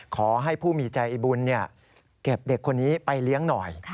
ขอให้ผู้มีใจบุญเก็บเด็กคนนี้ไปเลี้ยงหน่อย